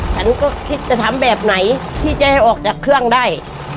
ฉันก็คิดจะทำแบบไหนที่จะให้ออกจากเครื่องได้